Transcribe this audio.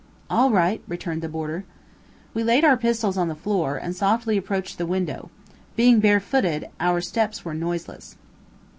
"All right," returned the boarder. We laid our pistols on the floor, and softly approached the window. Being barefooted, out steps were noiseless.